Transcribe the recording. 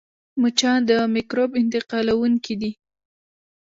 مچان د مکروب انتقالوونکي دي